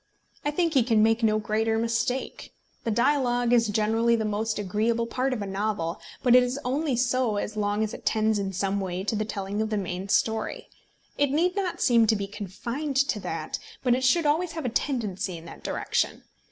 I think he can make no greater mistake. The dialogue is generally the most agreeable part of a novel; but it is only so as long as it tends in some way to the telling of the main story. It need not seem to be confined to that, but it should always have a tendency in that direction.